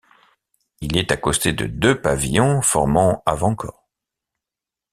Il est accosté de deux pavillons formant avant-corps.